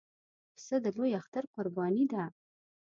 پسه د لوی اختر قرباني ده.